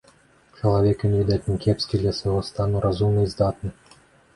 Чалавек ён, відаць, не кепскі, для свайго стану разумны і здатны.